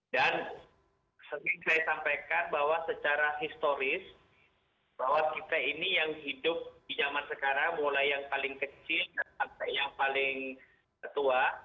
dan saya sampaikan bahwa secara historis bahwa kita ini yang hidup di zaman sekarang mulai yang paling kecil sampai yang paling tua